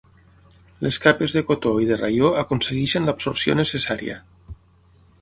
Les capes de cotó i de raió aconsegueixen l'absorció necessària.